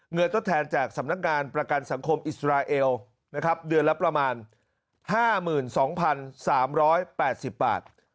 ทดแทนจากสำนักงานประกันสังคมอิสราเอลนะครับเดือนละประมาณ๕๒๓๘๐บาท